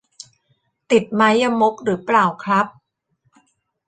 ติดไม้ยมกหรือเปล่าครับ